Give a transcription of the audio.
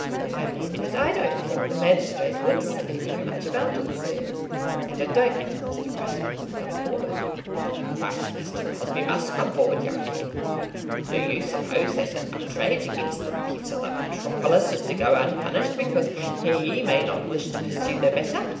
"I mean, that I don't think the magistrate would say very much about it, sir. And I don't think Mr. Crosbie would come forward." "But Mr. Crosbie must come forward, young man. Do you suppose that an outrage against the peace of the Metropolis is to go unpunished because he may not wish to pursue the matter?